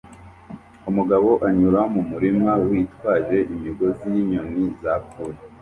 Umugabo anyura mu murima witwaje imigozi yinyoni zapfuye